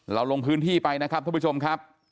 ลงพื้นที่ไปนะครับท่านผู้ชมครับ